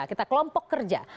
kita kelompok kerja